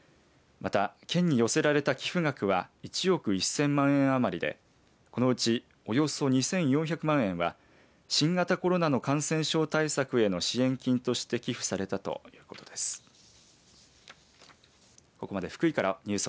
また、県に寄せられた寄付額は１億１０００万円余りでこのうちおよそ２４００万円は新型コロナの感染症対策への支援金として寄付されたということです。